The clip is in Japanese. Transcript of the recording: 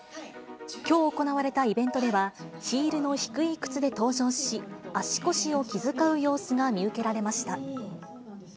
きょう行われたイベントでは、ヒールの低い靴で登場し、足腰を気遣う様子が見受けられました。